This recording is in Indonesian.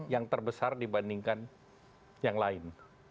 yang terbesar dibandingkan yang lain